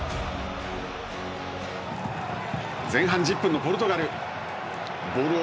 前半１０分のポルトガル。